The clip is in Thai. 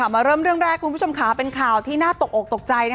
มาเริ่มเรื่องแรกคุณผู้ชมค่ะเป็นข่าวที่น่าตกอกตกใจ